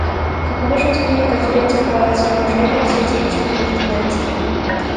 Каковы же успехи Конференции по разоружению в свете этих двух тенденций?